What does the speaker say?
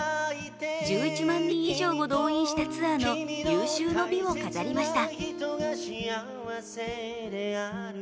１１万人以上を動員したツアーの有終の美を飾りました。